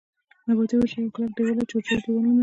نباتي حجره یو کلک دیوال لري چې حجروي دیوال نومیږي